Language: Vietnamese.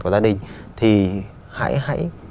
của gia đình thì hãy